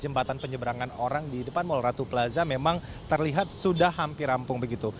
jembatan penyeberangan orang di depan mall ratu plaza memang terlihat sudah hampir rampung begitu